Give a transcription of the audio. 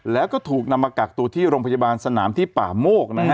แล้วก็ถูกนำมากักตัวที่โรงพยาบาลสนามที่ป่าโมกนะฮะ